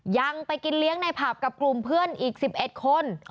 ยังไปกินเลี้ยงในภาพกับหรืออีก๑๑คน